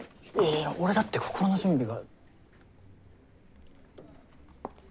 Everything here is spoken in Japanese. いや俺だって心の準備が。